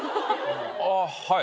あっはい。